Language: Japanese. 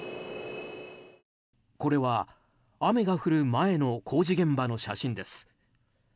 これは雨が降る前の工事現場の写真です。